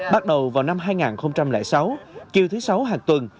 bắt đầu vào năm hai nghìn sáu chiều thứ sáu hàng tuần